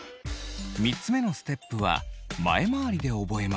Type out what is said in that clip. ３つ目のステップは前回りで覚えます。